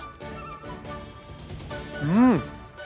うん！